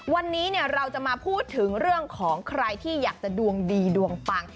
วันนี้เราจะมาพูดถึงเรื่องของใครที่อยากจะดวงดีดวงปัง